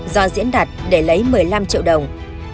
do diễn đặt để lấy một mươi năm triệu đồng